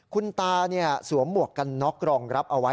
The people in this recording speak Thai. คุณตาสวมหมวกกันน็อกรองรับเอาไว้